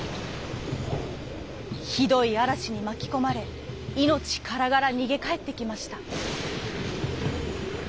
ひどいあらしにまきこまれいのちからがらにげかえってきました。